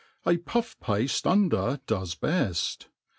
A puflvpafte under does bcft.